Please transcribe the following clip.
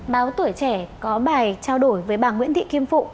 báo tuổi trẻ có bài trao đổi với bà nguyễn thị kim phụ